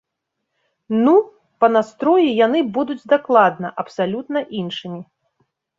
Ну, па настроі яны будуць дакладна абсалютна іншымі.